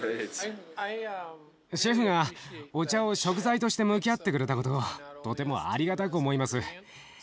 シェフがお茶を食材として向き合ってくれたことをとてもありがたく思います。